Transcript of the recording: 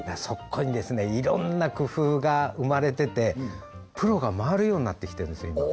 そこにいろんな工夫が生まれててプロが回るようになってきてるんですよ